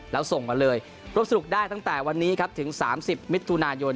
แล้วส่งมาเลยร่วมสนุกได้ตั้งแต่วันนี้ครับถึง๓๐มิถุนายน